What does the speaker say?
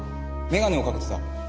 眼鏡をかけてた。